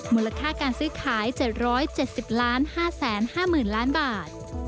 มูลค่าการซื้อขาย๗๗๐๕๕๐๐๐ล้านบาท